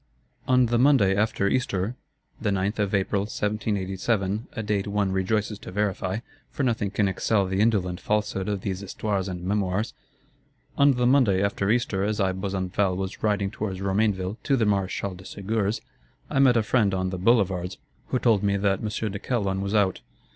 "On the Monday after Easter," the 9th of April 1787, a date one rejoices to verify, for nothing can excel the indolent falsehood of these Histoires and Mémoires,—"On the Monday after Easter, as I, Besenval, was riding towards Romainville to the Maréchal de Segur's, I met a friend on the Boulevards, who told me that M. de Calonne was out.